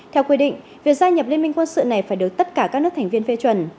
theo quy định việc gia nhập liên minh quân sự này phải được tất cả các nước thành viên phê chuẩn